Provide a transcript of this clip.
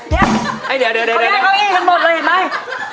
เฮ้ยเดี๋ยวเดี๋ยวเดี๋ยว